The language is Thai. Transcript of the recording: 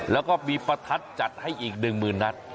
แล้วก็มีประทัดจัดให้อีก๑๐๐๐นัด